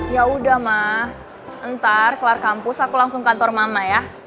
yaudah mah ntar kelar kampus aku langsung kantor mama ya